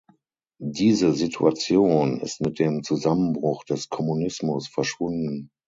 Diese Situation ist mit dem Zusammenbruch des Kommunismus verschwunden.